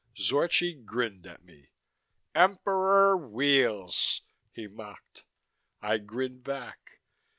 Zorchi grinned at me. "Emperor Weels!" he mocked. I grinned back.